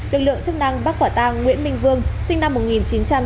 lực lượng chức năng bắc quả tàng nguyễn minh vương sinh năm một nghìn chín trăm chín mươi ba